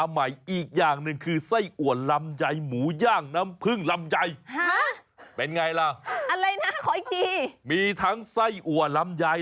เขาสร้างให้ไม่ใช้สินตราสอุดตรงการยากหะหะนำให้ส่วน๔ประวัติน